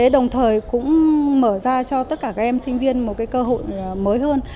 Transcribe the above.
đồng thời cũng mở ra cho tất cả các em sinh viên một cơ hội mới hơn